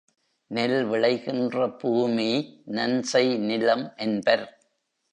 நெல் விளைகின்ற பூமி நன்செய் நிலம் என்பர்.